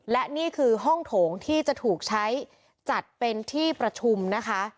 และนี่คือห้องโถงที่จะถูกใช้จัดเป็นที่ประชุมนะคะ